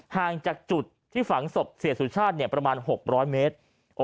ห่างจากจุดที่ฝังศพเสียสุชาติประมาณ๖๐๐เมตร